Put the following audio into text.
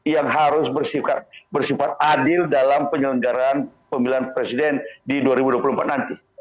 yang harus bersifat adil dalam penyelenggaraan pemilihan presiden di dua ribu dua puluh empat nanti